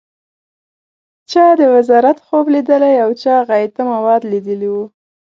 چا د وزارت خوب لیدلی او چا غایطه مواد لیدلي و.